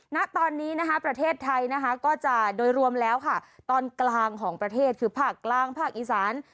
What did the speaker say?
ณตอนนี้นะคะประเทศไทยนะคะก็จะโดยรวมแล้วค่ะตอนกลางของประเทศคือภาคกลางภาคอีสาน